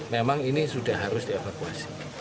memang ini sudah harus dievakuasi